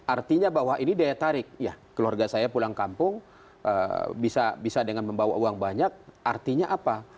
artinya bahwa ini daya tarik ya keluarga saya pulang kampung bisa dengan membawa uang banyak artinya apa